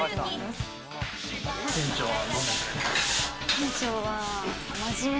店長は。